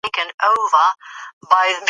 شجاع الدوله د واک په برخه کې خپل موقف ټینګ کړ.